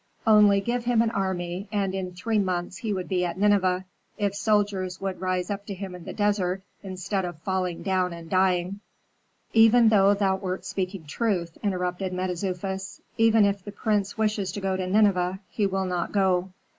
Only give him an army, and in three months he would be at Nineveh, if soldiers would rise up to him in the desert instead of falling down and dying " "Even though thou wert speaking truth," interrupted Mentezufis, "even if the prince wished to go to Nineveh, he will not go."